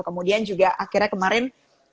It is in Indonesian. kemudian juga akhirnya kemarin